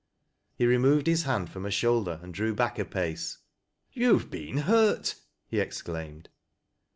He removed his hand from her shoulder and drew back a pace. " You have been hurt !" he exclaimed.